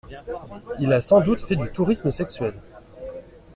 Il a sans doute fait du tourisme sexuel.